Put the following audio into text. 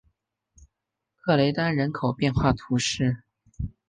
克雷丹人口变化图示